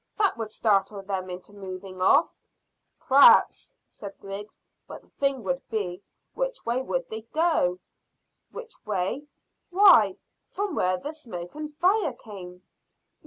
That would startle them into moving off." "P'r'aps," said Griggs; "but the thing would be, which way would they go?" "Which way? Why, from where the smoke and fire came."